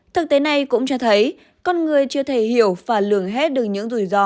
thực tế này cũng cho thấy con người chưa thể hiểu và lường hết được những rủi ro